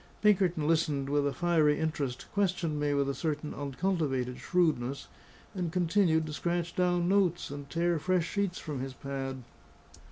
Pinkerton listened with a fiery interest, questioned me with a certain uncultivated shrewdness, and continued to scratch down notes, and tear fresh sheets from his pad.